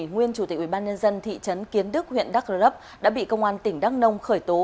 nguyên chủ tịch ubnd thị trấn kiến đức huyện đắk rơ lấp đã bị công an tỉnh đắk nông khởi tố